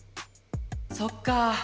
そっか。